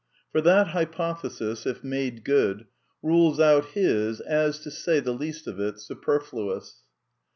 For that hypothesis, if made good, rules out his as, to say the least of it, superfluous.